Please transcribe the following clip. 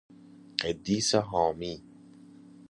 قدیس حامی